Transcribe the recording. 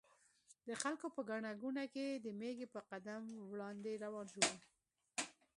د خلکو په ګڼه ګوڼه کې د مېږي په قدم وړاندې روان و.